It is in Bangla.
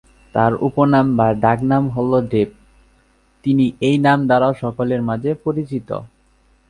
তার উপনাম বা ডাকনাম হলো "ডেপ", তিনি এই নাম দ্বারাও সকলের মাঝে পরিচিত।